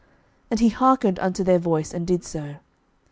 And he hearkened unto their voice, and did so.